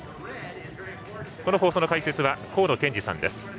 この放送の解説は河野健児さんです。